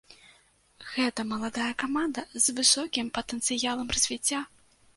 Гэта маладая каманда з высокім патэнцыялам развіцця.